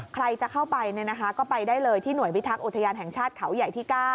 ใครจะเข้าไปก็ไปได้เลยที่หน่วยพิทักษ์อุทยานแห่งชาติเขาใหญ่ที่๙